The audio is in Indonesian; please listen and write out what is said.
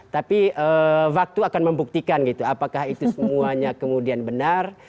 tapi waktu akan membuktikan gitu apakah itu semuanya kemudian benar